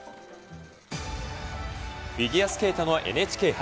フィギュアスケートのＮＨＫ杯。